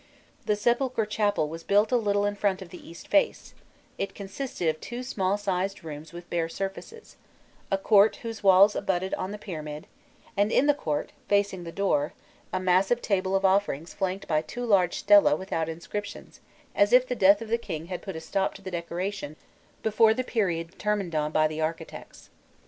The sepulchral chapel was built a little in front of the east face; it consisted of two small sized rooms with bare surfaces, a court whose walls abutted on the pyramid, and in the court, facing the door, a massive table of offerings flanked by two large stelo without inscriptions, as if the death of the king had put a stop to the decoration before the period determined on by the architects.